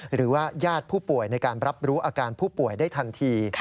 หรือว่าญาติผู้ป่วยในการรับรู้อาการผู้ป่วยได้ทันที